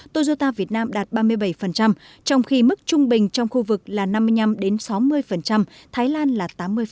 toyota việt nam đạt ba mươi bảy trong khi mức trung bình trong khu vực là năm mươi năm sáu mươi thái lan là tám mươi